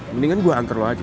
mendingan gue antar lo aja